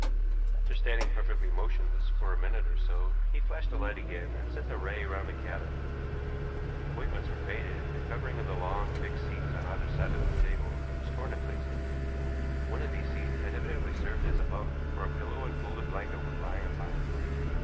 After standing perfectly motionless for a minute or so, he flashed the light again, and sent the ray round the cabin. The appointments were faded, the covering of the long, fixed seats on either side of the table was torn in places. One of these seats had evidently served as a bunk, for a pillow and folded blanket were lying upon it.